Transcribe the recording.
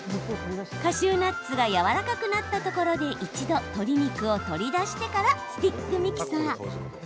カシューナッツがやわらかくなったところで一度、鶏肉を取り出してからスティックミキサー。